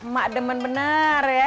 mak demen bener ya